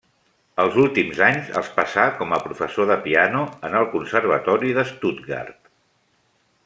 Els últims anys els passà com a professor de piano en el Conservatori de Stuttgart.